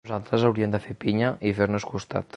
Nosaltres hauríem de fer pinya i fer-nos costat.